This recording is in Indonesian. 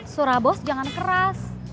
suara bos jangan keras